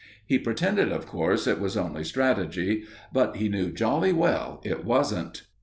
He pretended, of course, it was only strategy, but he knew jolly well it wasn't.